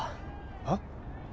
はっ？